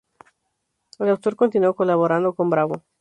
El autor continuó colaborando con "Bravo!